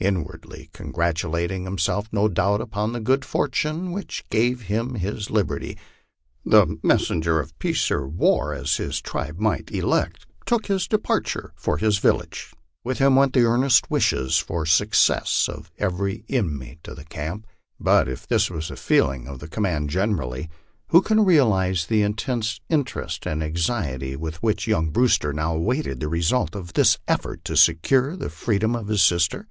Inwardly congratulating himself, no doubt, upon the good fortune which gave him his liberty, the messenger of peace or war, as his tribe might elect, took his departure for his village. With him went the earnest wishes for success of every inmate of the camp ; but if this was the feeling of the com mand generally, who can realize the intense interest and anxiety with which young Brewster now awaited the result of this effort to secure the freedom of his sister?